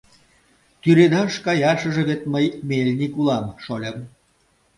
— Тӱредаш каяшыже вет мый мельник улам, шольым!